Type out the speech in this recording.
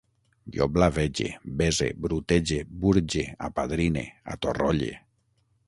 Jo blavege, bese, brutege, burge, apadrine, atorrolle